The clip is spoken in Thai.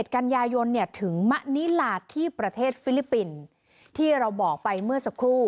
กันยายนถึงมะนิลาที่ประเทศฟิลิปปินส์ที่เราบอกไปเมื่อสักครู่